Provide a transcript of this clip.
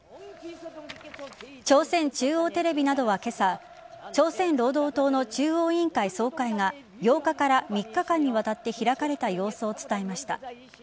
朝鮮中央テレビなどは今朝朝鮮労働党の中央委員会総会が８日から、３日間にわたって開かれた様子を伝えました。